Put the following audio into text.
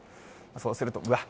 そうすると、うわっ。